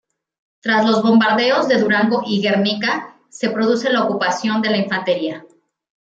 Tras los bombardeos de Durango y Guernica se produce la ocupación de la infantería.